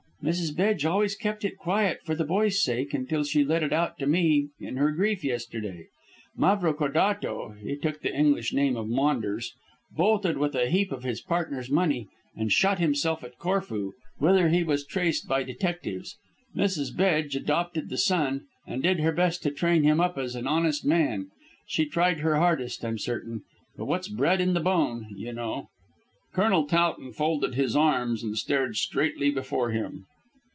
Mrs. Bedge always kept it quiet for the boy's sake until she let it out to me in her grief yesterday. Mavrocordato he took the English name of Maunders bolted with a heap of his partner's money, and shot himself at Corfu, whither he was traced by detectives. Mrs. Bedge adopted the son, and did her best to train him up as an honest man. She tried her hardest, I'm certain, but what's bred in the bone, you know." Colonel Towton folded his arms and stared straightly before him.